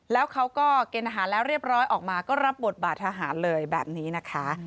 แล้วเขาก็เกณฑ์อาหารแล้วเรียบร้อยออกมาก็รับบทบาททหารเลยแบบนี้นะคะ